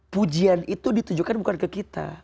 pujian itu ditujukan bukan ke kita